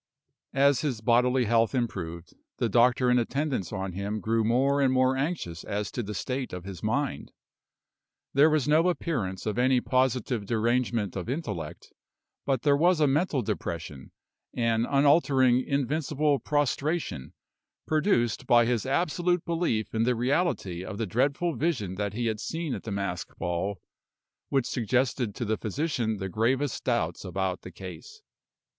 As his bodily health improved, the doctor in attendance on him grew more and more anxious as to the state of his mind. There was no appearance of any positive derangement of intellect, but there was a mental depression an unaltering, invincible prostration, produced by his absolute belief in the reality of the dreadful vision that he had seen at the masked ball which suggested to the physician the gravest doubts about the case.